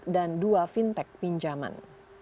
dan dua fintech pinjaman